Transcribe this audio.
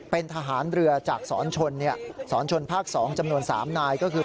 เป็นทหารเรือจากสอนชนสอนชนภาค๒จำนวน๓นายก็คือ